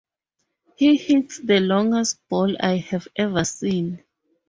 He hits the longest ball I have ever seen.